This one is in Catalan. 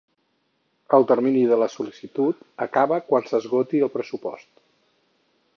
El termini de la sol·licitud acaba quan s'esgoti el pressupost.